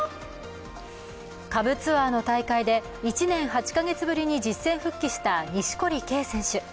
下部ツアーの大会で１年８か月ぶりに実戦復帰した錦織圭選手。